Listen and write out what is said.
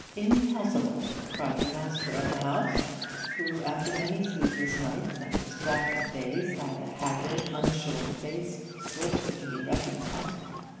'Impossible!' cried the master of the house, who, after many sleepless nights and distracted days, had a haggard, unshorn face, scarcely to be recognised.